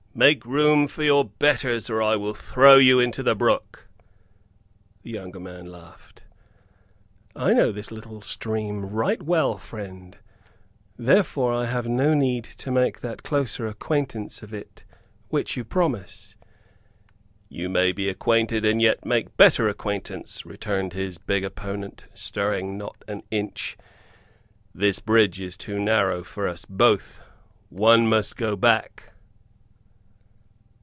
"Make room for your betters, or I will throw you into the brook!" The younger man laughed. "I know this little stream right well, friend. Therefore I have no need to make that closer acquaintance of it which you promise." "You may be acquainted and yet make better acquaintance," returned his big opponent, stirring not an inch. "This bridge is too narrow for us both. One must go back."